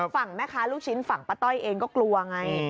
ฝั่งแม่ค้าลูกชิ้นฝั่งป้าต้อยเองก็กลัวไง